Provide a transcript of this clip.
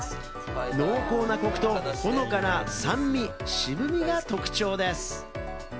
濃厚なコクと、ほのかな酸味、渋みが特徴です。